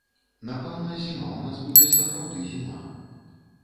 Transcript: Напэўна, зіма ў нас будзе сапраўды зіма.